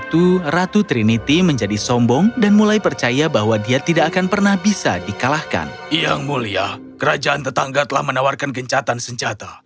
tentu saja mereka telah menawarkan gencatan senjata